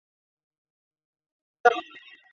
台北交流道同为台北市的重要联外交流道。